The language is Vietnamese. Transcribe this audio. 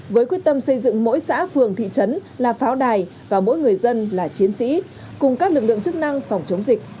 với quyết tâm xây dựng mỗi xã phường thị trấn là pháo đài và mỗi người dân là chiến sĩ cùng các lực lượng chức năng phòng chống dịch